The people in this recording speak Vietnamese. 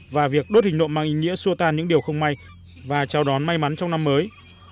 và việc đốt hình nộm mang ý nghĩa xua tan những điều không may và chào đón may mắn trong năm mới